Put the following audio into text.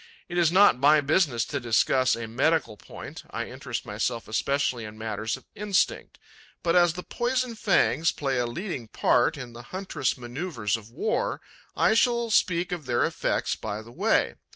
It is not my business to discuss a medical point, I interest myself especially in matters of instinct; but, as the poison fangs play a leading part in the huntress' manoeuvres of war, I shall speak of their effects by the way.